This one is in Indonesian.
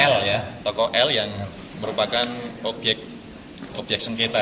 l ya toko l yang merupakan objek sengketa